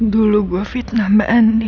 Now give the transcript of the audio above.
dulu gue fitnah mba andin